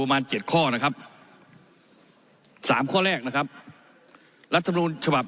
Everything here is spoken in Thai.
มาเจ็ดข้อนะครับสามข้อแรกนะครับรัฐมนุนฉบับ